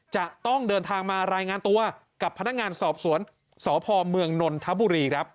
จะต้องเดินทางมารายงานตัวกับพนักงานสอบสวนสพเมืองนนทบุรีครับ